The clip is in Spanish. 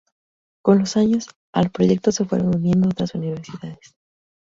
Con los años, al proyecto se fueron uniendo otras universidades.